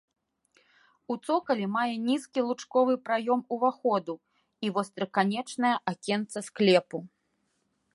У цокалі мае нізкі лучковы праём уваходу і востраканечнае акенца склепу.